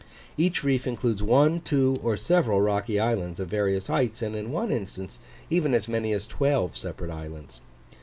Each reef includes one, two, or several rocky islands of various heights; and in one instance, even as many as twelve separate islands.